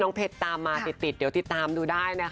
ทั้งนี้ทั้งนั้นน่ะมันก็อยู่ที่ดวงวาสนาโชคของคนแต่ละคน